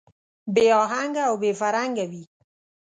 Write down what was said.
بې اهنګه او بې فرهنګه وي.